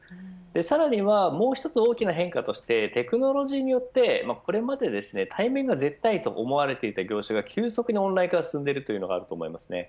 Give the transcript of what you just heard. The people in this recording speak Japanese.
さらにはもう一つ大きな変化としてテクノロジーによって、これまで対面が絶対と思われていた業種が急速にオンライン化が進んでいます。